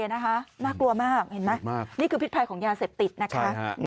น่ากลัวมากเห็นไหมนี่คือพิษภัยของยาเสพติดนะคะ